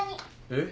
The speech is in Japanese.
えっ？